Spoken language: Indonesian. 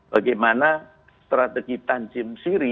bagaimana strategi tanjim siri